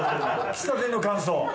喫茶店の感想。